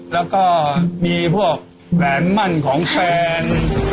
แล้วก็มีพวกแบรนด์มั่นของแฟน